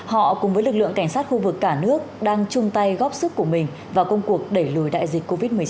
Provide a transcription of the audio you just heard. họ cùng với lực lượng cảnh sát khu vực cả nước đang chung tay góp sức của mình vào công cuộc đẩy lùi đại dịch covid một mươi chín